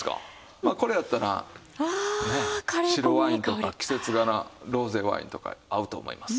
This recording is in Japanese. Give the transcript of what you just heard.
まあこれやったら白ワインとか季節柄ロゼワインとか合うと思います。